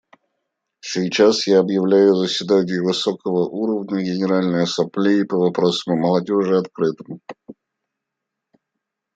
Сейчас я объявляю заседание высокого уровня Генеральной Ассамблеи по вопросам о молодежи открытым.